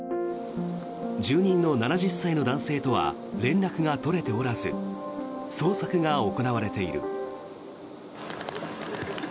住人の７０歳の男性とは連絡が取れておらず捜索が行われている。